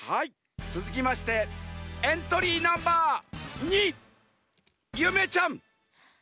つづきましてエントリーナンバー２ゆめちゃん！